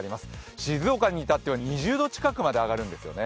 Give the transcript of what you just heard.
静岡に至っては２０度近くまで上がるんですよね。